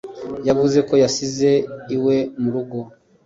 Yavuze ko yasize iwe mu rugo